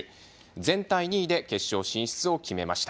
全体２位で決勝進出を決めました。